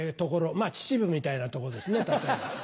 まぁ秩父みたいなとこですね例えば。